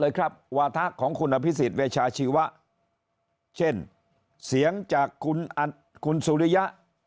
เลยครับวาทะของคุณอภิษฐ์เวชาชีวะเช่นเสียงจากคุณอันคุณสุริยะ